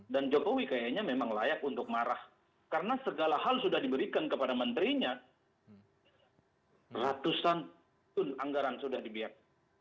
dan jokowi kayaknya memang layak untuk marah karena segala hal sudah diberikan kepada menterinya ratusan anggaran sudah dibiarkan